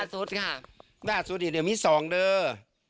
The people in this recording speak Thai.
สูตรค่ะสูตรเดี๋ยวมี๒เดอร์